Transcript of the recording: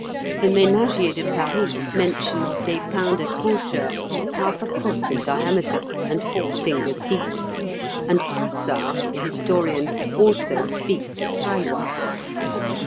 The "Ménagier de Paris" mentions "des pains de tranchouers half a foot in diameter, and four fingers deep," and Froissart the historian also speaks of tailloirs.